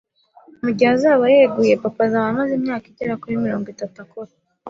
Mugihe azaba yeguye, papa azaba amaze imyaka igera kuri mirongo itatu akora.